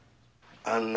あんな